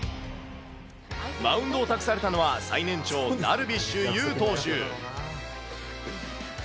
マウンドを託されたのは、最年長、ダルビッシュ有投手。